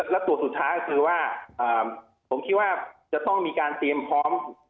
และตัวสุดท้ายก็คือว่าผมคิดว่าจะต้องมีการเตรียมพร้อม